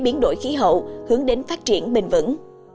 biến đổi khí hậu hướng đến phát triển bình vẩn